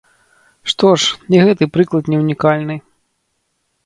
Што ж, і гэты прыклад не ўнікальны.